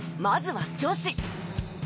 まずは女子。